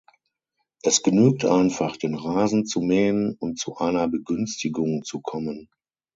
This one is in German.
Es genügt einfach, den Rasen zu mähen, und zu einer Begünstigung zu kommen.